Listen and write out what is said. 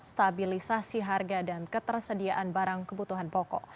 stabilisasi harga dan ketersediaan barang kebutuhan pokok